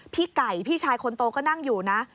พี่ไก่พี่ชายคนโตก็นั่งอยู่นะ